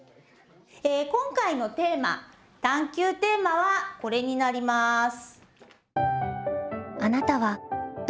今回のテーマ探究テーマはこれになります。